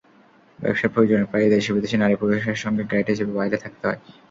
ব্যবসার প্রয়োজনে প্রায়ই দেশি-বিদেশি নারী-পুরুষের সঙ্গে গাইড হিসেবে বাইরে থাকতে হয়।